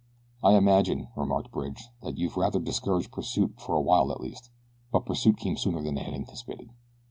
"I imagine," remarked Bridge, "that you've rather discouraged pursuit for a while at least," but pursuit came sooner than they had anticipated.